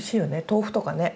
豆腐とかね。